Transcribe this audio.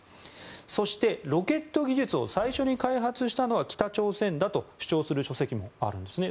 そして、ロケット技術を最初に開発したのは北朝鮮だと主張する書籍もあるんですね。